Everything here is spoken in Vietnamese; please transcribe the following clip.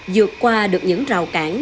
dược qua được những rào cản